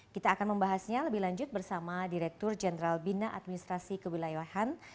kita akan membahasnya lebih lanjut bersama direktur jenderal bina administrasi kewilayahan